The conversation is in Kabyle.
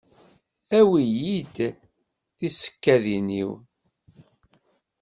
Awi-yi-d tisekkadin-iw.